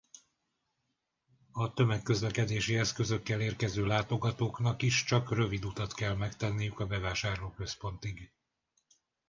A tömegközlekedési eszközökkel érkező látogatóknak is csak rövid utat kell megtenniük a bevásárlóközpontig.